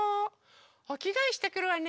おきがえしてくるわね。